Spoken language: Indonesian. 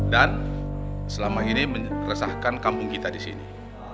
dan selama ini meresahkan kampung kita di sini